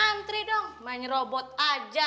antri dong main robot aja